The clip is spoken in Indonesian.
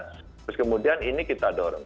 terus kemudian ini kita dorong